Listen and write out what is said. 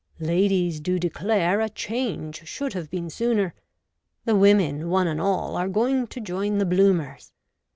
Ladies do declare A change should have been sooner. The women, one and all, Are going to join the Bloomers.